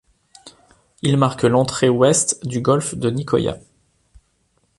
Il marque l'entrée ouest du golfe de Nicoya.